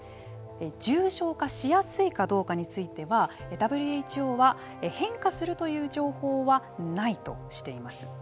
重症化しやすいかどうかについてはＷＨＯは変化するという情報はないとしています。